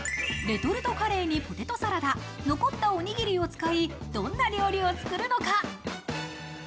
レトルトカレーにポテトサラダ、残ったおにぎりを使い、どんな料理を作るのか？